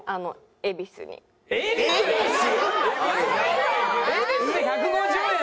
恵比寿で１５０円。